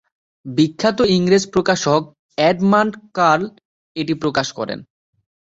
বিখ্যাত ইংরেজ প্রকাশক এডমান্ড কার্ল এটি প্রকাশ করেন।